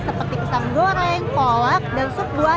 seperti pisang goreng kolak dan sup buah